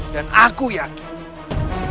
dan aku yakin